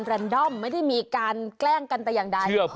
ทีมงาน